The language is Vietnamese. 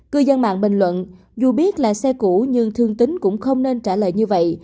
cư dân mạng bình luận dù biết là xe cũ nhưng thương tính cũng không nên trả lời như vậy